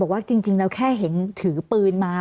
บอกว่าจริงเราแค่ให้เห็นถือปืนมา